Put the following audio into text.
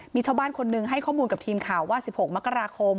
มีชาวบ้านคนหนึ่งให้ข้อมูลกับทีมข่าวว่า๑๖มกราคม